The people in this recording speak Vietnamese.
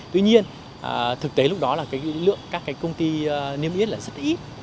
tuy nhiên thực tế lúc đó là lượng các công ty niêm yết là rất ít